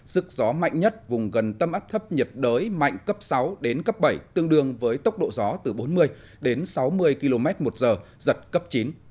sức gió mạnh nhất vùng gần tâm áp thấp nhiệt đới mạnh cấp sáu đến cấp bảy tương đương với tốc độ gió từ bốn mươi đến sáu mươi km một giờ giật cấp chín